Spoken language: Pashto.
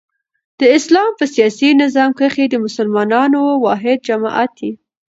د اسلام په سیاسي نظام کښي د مسلمانانو واحد جماعت يي.